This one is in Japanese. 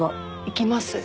行きます。